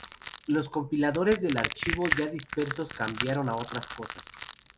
Los compiladores del archivo, ya dispersos, cambiaron a otras cosas.